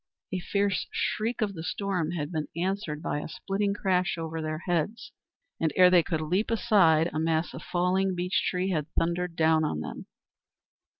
A fierce shriek of the storm had been answered by a splitting crash over their heads, and ere they could leap aside a mass of falling beech tree had thundered down on them.